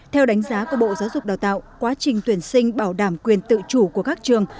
theo đánh giá của bộ giáo dục đào tạo quá trình tuyển sinh bảo đảm quyền tự chủ của các trường